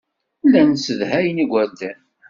Llan ssedhayen igerdan.